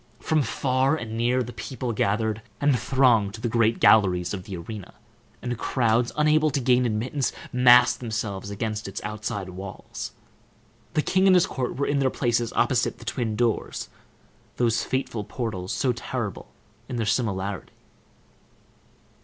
From far and near the people gathered, and thronged the great galleries of the arena, and crowds, unable to gain admittance, massed themselves against its outside walls. The king and his court were in their places, opposite the twin doors, those fateful portals, so terrible in their similarity.